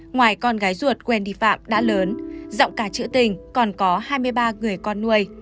ngoài con gái ruột wendy phạm đã lớn rộng cả trữ tình còn có hai mươi ba người con nuôi